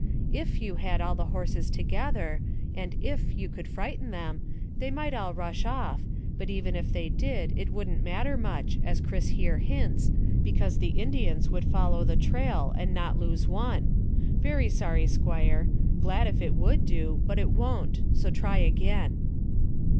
"If you had all the horses together, and if you could frighten them, they might all rush off, but even if they did it wouldn't matter much, as Chris here hints, because the Indians would follow the trail, and not lose one. Very sorry, squire. Glad if it would do; but it won't, so try again."